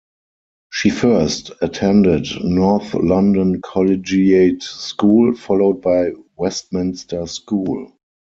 She first attended North London Collegiate School followed by Westminster School.